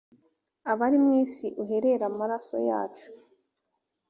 abari mu isi uh rere amaraso yacu